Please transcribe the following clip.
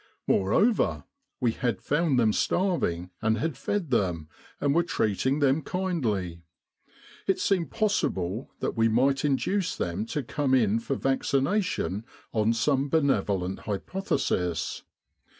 Moreover, we had found them starving, an<l had fed them, and were treating them kindly. It seemed possible that we might induce them to come in for vaccination on some benevolent hypothesis.